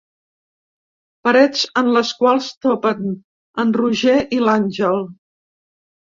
Parets en les quals topen en Roger i l'Àngel.